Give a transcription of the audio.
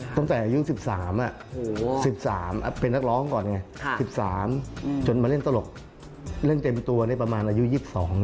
ตั้งแต่อายุ๑๓๑๓เป็นนักร้องก่อนไง๑๓จนมาเล่นตลกเล่นเต็มตัวประมาณอายุ๒๒